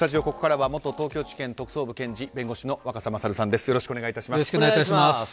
ここからは元東京地検特捜部、弁護士の若狭勝さんです。